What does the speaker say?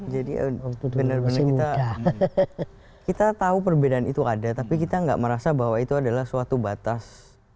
jadi benar benar kita tahu perbedaan itu ada tapi kita enggak merasa bahwa itu adalah suatu batas